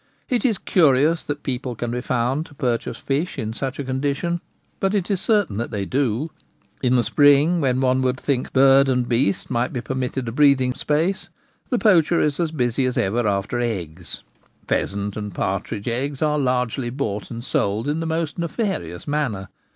It is curious that people can be found to purchase fish in such a co cd rtki; bat tt is certain that they do. In the spring, when one would think bird and beast might be permitted a bn space,, die poacher is as busy as ever after Pheasant and partridge eggs are largely bought and Egg Stealers* Trick. 161 sold in the most nefarious manner.